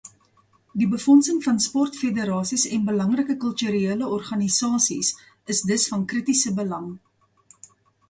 Die befondsing van sportfederasies en belangrike kulturele organisasies is dus van kritiese belang.